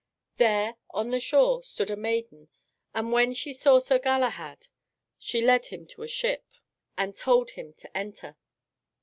There, on the shore, stood a maiden, and when she saw Sir Galahad, she led him to a ship and told him to enter.